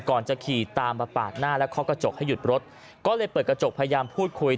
ก่อนจะขี่ตามมาปาดหน้าและข้อกระจกให้หยุดรถก็เลยเปิดกระจกพยายามพูดคุย